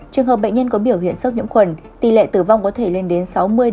trường hợp bệnh nhân có biểu hiện sốc nhiễm khuẩn tỷ lệ tử vong có thể lên đến sáu mươi năm mươi